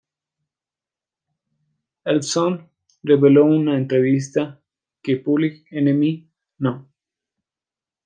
Ellefson reveló en una entrevista que "Public Enemy No.